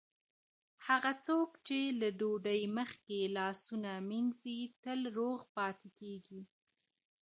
هغه څوک چې له ډوډۍ مخکې لاسونه مینځي، تل روغ پاتې کیږي.